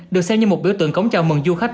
được xem như một biểu tượng cống chào mừng du khách